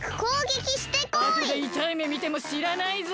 あとでいたいめみてもしらないぞ。